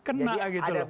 kok bisa kena gitu loh